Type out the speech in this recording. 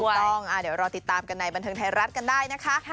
ต้องเดี๋ยวรอติดตามกันในบันเทิงไทยรัฐกันได้นะคะ